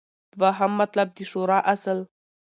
دوهم مطلب : د شورا اصل